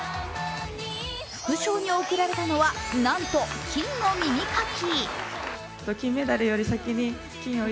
副賞に贈られたのはなんと金の耳かき。